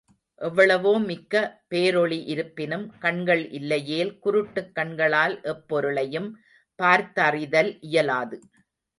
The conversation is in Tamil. எவ்வளவோ மிக்க பேரொளி இருப்பினும், கண்கள் இல்லையேல் குருட்டுக் கண்களால் எப்பொருளையும் பார்த்தறிதல் இயலாது.